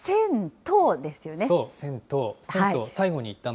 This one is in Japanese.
そう、銭湯。